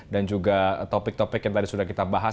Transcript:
dan juga topik topik yang tadi sudah kita bahas